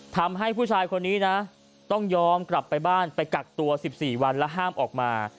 ทำให้ผู้ชายคนนี้นะต้องยอมกลับไปบ้านไปกักตัว๑๔วันแล้วห้ามออกมา